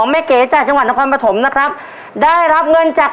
แม่เก๋ครับ